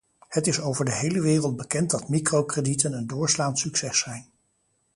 Het is over de hele wereld bekend dat microkredieten en doorslaand succes zijn.